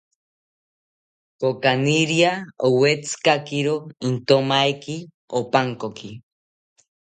Kokaniria owetzikakiro intomaeki opankoki